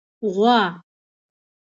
🐄 غوا